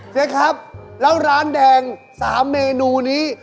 เจ๊ครับแล้วร้านแดง๓เมนูนี้